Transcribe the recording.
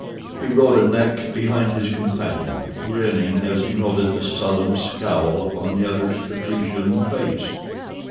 He rode a neck behind his companion, grinning as he noted the sullen scowl upon the other's patrician face.